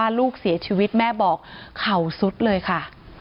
คนบอกว่าลูกเสียชีวิตแม่บอกเข่าสุดเลยค่ะ